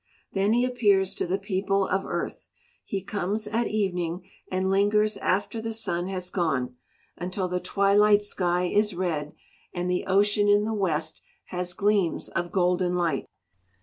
Then he appears to the people of earth. He comes at evening and lingers after the sun has gone, until the twilight sky is red, and the ocean in the west has gleams of golden light.